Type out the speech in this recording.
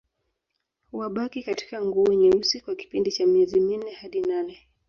Wabaki katika nguo nyeusi kwa kipindi cha miezi minne hadi nane